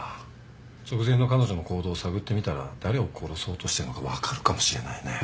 直前の彼女の行動を探ってみたら誰を殺そうとしてんのか分かるかもしれないね。